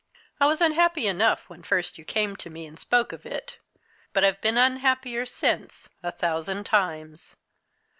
I was unhappy enough when first you came to me and spoke of it but I've been unhappier since, a thousand times.